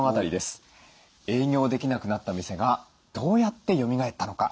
営業できなくなった店がどうやってよみがえったのか。